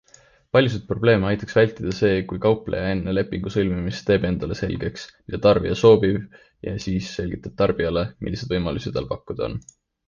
Paljusid probleeme aitaks vältida see, kui kaupleja enne lepingu sõlmimist teeb endale selgeks, mida tarbija soovib ja siis selgitab tarbijale, milliseid võimalusi tal pakkuda on.